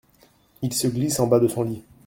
Il se glisse en bas de son lit.